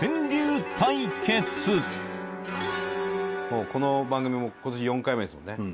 もうこの番組も今年４回目ですもんね。